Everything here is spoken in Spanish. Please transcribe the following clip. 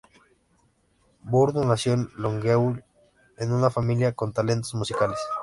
Bourdon nació en Longueuil en una familia con talentos musicales.